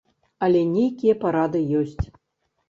Але нейкія парады ёсць.